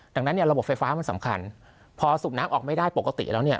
ดังนั้นเนี่ยระบบไฟฟ้ามันสำคัญพอสูบน้ำออกไม่ได้ปกติแล้วเนี่ย